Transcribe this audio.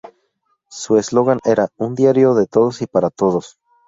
Su eslogan era "Un diario de todos y para todos".